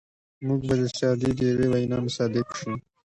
موږ به د سعدي د یوې وینا مصداق شو.